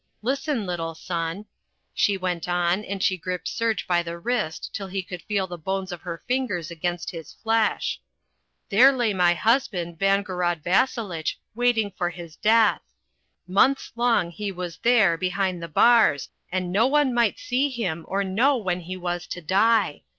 Listen, little son," she went on, and she gripped Serge by the wrist till he could feel the bones of her fingers against his flesh. "There lay my husband, Vangorod Vasselitch, waiting for his death. Months long he was there behind the bars and no one might see him or know when he was to die.